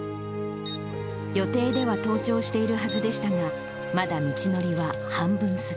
予定では登頂しているはずでしたが、まだ道のりは半分過ぎ。